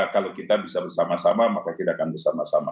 kalau kita bisa bersama sama maka kita akan bersama sama